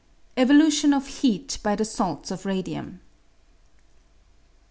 Evolution of Heat by the Salts of Radium.